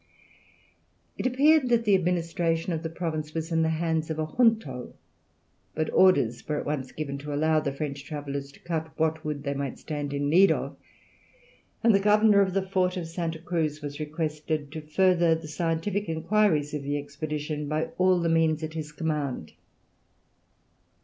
It appeared that the administration of the province was in the hands of a Junto, but orders were at once given to allow the French travellers to cut what wood they might stand in need of, and the Governor of the Fort of Santa Cruz was requested to further the scientific inquiries of the Expedition by all the means at his command.